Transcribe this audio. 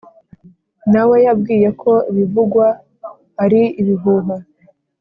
na we yabwiye ko ibivugwa ari ibihuha